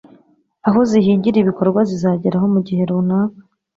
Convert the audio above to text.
aho zihigira ibikorwa zizageraho mu gihe runaka.